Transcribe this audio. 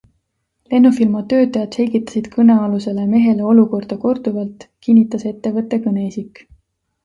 Lennufirma töötajad selgitasid kõnealusele mehele olukorda korduvalt, kinnitas ettevõtte kõneisik.